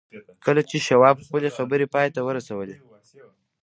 کله چې شواب خپلې خبرې پای ته ورسولې.